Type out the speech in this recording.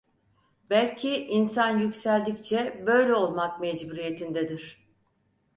Belki insan yükseldikçe böyle olmak mecburiyetindedir.